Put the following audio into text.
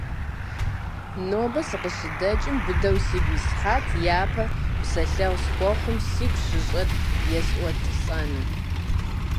Нобэ сыкъыщыдэкӀым быдэу сигу ислъхьат япэ псэлъэгъу схуэхъум сигу щыщӀэр есӀуэтылӀэну.